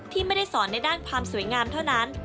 ที่ไม่ได้สอนในด้านความสวยงามเท่านั้น